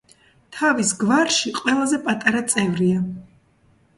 თავის გვარში ყველაზე პატარა წევრია.